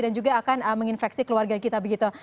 dan juga akan menginfeksi keluarga kita begitu